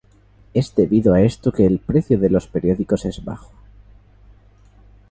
Es debido a esto que el precio de los periódicos es bajo.